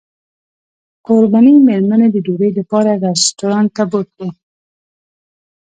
کوربنې مېرمنې د ډوډۍ لپاره رسټورانټ ته بوتلو.